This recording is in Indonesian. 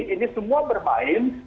ini semua bermain